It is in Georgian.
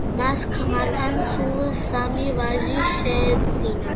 მას ქმართან სულ სამი ვაჟი შეეძინა.